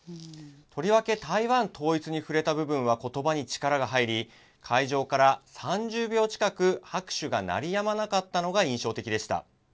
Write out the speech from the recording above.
とりわけ台湾統一に触れた部分はことばに力が入り、会場から３０秒近く、拍手が鳴りやまなかったのが印象的でした。